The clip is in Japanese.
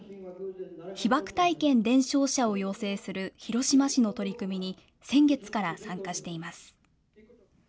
被爆体験伝承者を養成する広島市の取り組みに、先月から参加しています。